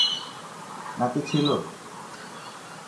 নাকি ছিল?